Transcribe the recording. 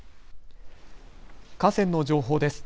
河川の情報です。